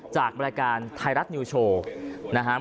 จากบริการไทยรัฐนิวโชว์